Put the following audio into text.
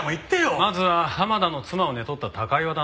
まずは玉田の妻を寝取った高岩だな。